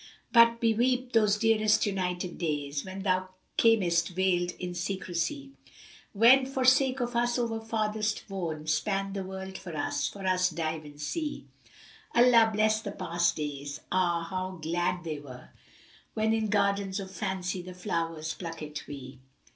But beweep those dearest united days * When thou camest veilčd in secresy; Wend for sake of us over farthest wone; * Span the wold for us, for us dive in sea; Allah bless the past days! Ah, how glad they were * When in Gardens of Fancy the flowers pluckt we!